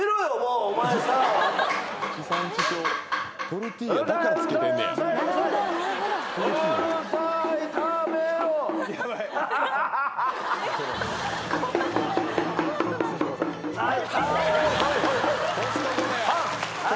おい！